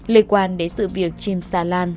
lịch quan đến sự việc chìm xà lan